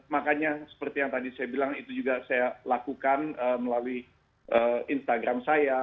makanya seperti yang tadi saya bilang itu juga saya lakukan melalui instagram saya